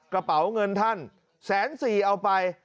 กระเป๋าเงินท่านแสนสี่เอาไป